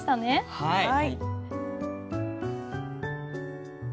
はい。